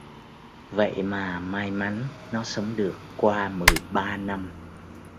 Vậy mà may mắn Nó sống được qua mười ba năm